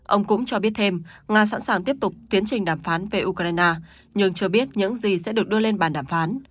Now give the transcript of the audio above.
ông cũng cho biết thêm nga sẵn sàng tiếp tục tiến trình đàm phán về ukraine nhưng chưa biết những gì sẽ được đưa lên bàn đàm phán